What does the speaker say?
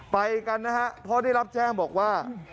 ไปกันนะฮะเพราะได้รับแจ้งบอกว่า